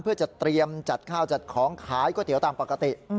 เพื่อจะเตรียมจัดข้าวจัดของขายก๋วยเตี๋ยวตามปกติ